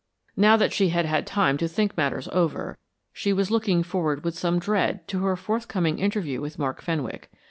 Now that she had had time to think matters over, she was looking forward with some dread to her forthcoming interview with Mark Fenwick.